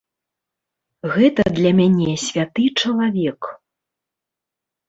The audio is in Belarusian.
Гэта для мяне святы чалавек.